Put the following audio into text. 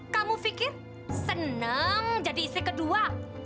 kamu fikir seneng jadi isi kedua